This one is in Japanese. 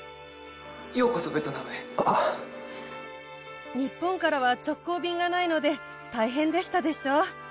ようこそベトナムへ日本からは直行便がないので大変でしたでしょう？